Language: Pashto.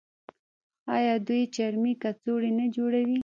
آیا دوی چرمي کڅوړې نه جوړوي؟